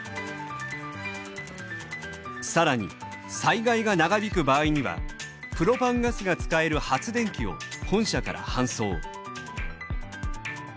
更に災害が長引く場合にはプロパンガスが使える発電機を本社から搬送。